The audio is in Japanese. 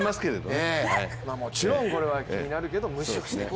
もちろんこれは気になるけどムシする。